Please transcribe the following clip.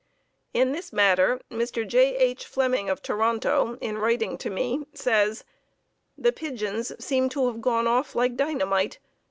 In this matter, Mr. J. H. Fleming of Toronto, in writing me, says: "The pigeons seem to have gone off like dynamite.